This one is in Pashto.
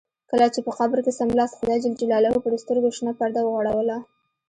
کله چې په قبر کې څملاست خدای جل جلاله پر سترګو شنه پرده وغوړوله.